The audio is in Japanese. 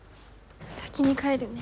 先に帰るね。